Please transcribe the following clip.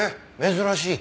珍しい。